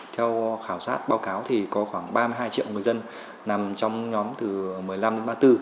theo khảo sát báo cáo thì có khoảng ba mươi hai triệu người dân nằm trong nhóm từ một mươi năm đến ba mươi bốn